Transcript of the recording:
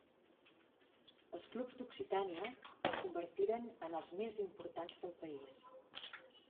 Els clubs d'Occitània es convertiren en els més importants del país.